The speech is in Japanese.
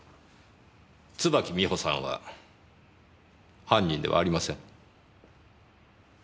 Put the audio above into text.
椿美穂さんは犯人ではありません。